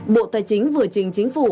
bộ tài chính vừa trình chính phủ